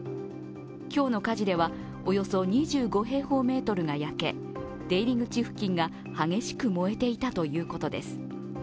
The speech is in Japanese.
今日の火事ではおよそ２５平方メートルが焼け、出入り口付近が激しく燃えていたということです。